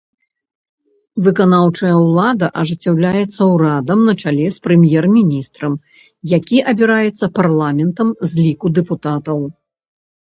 Выканаўчая ўлада ажыццяўляецца ўрадам на чале з прэм'ер-міністрам, які абіраецца парламентам з ліку дэпутатаў.